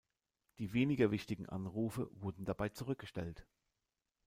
Die weniger wichtigen Anrufe wurden dabei zurückgestellt.